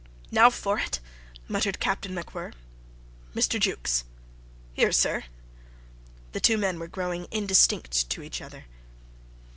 "Now for it!" muttered Captain MacWhirr. "Mr. Jukes." "Here, sir." The two men were growing indistinct to each other.